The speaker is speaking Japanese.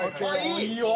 いいよ。